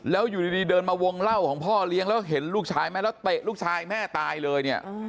แล้วอยู่ดีเดินมาวงเล่าของพ่อเลี้ยงแล้วเห็นลูกชายไหมแล้วเตะลูกชายแม่ตายเลยเนี่ย